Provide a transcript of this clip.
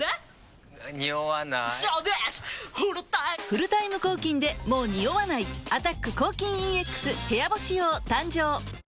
フルタイム抗菌でもうニオわない「アタック抗菌ＥＸ部屋干し用」誕生